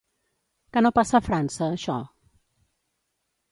Que no passa a França, això?